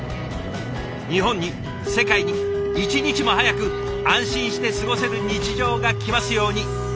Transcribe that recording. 日本に世界に一日も早く安心して過ごせる日常が来ますように。